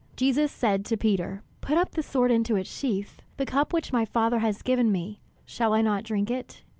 Jesus said to Peter: "Put up the sword into its sheath; the cup which my Father has given me, shall I not drink it?